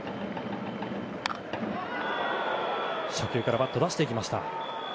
初球からバットを出していきました。